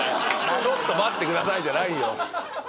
「ちょっと待ってください」じゃないよ。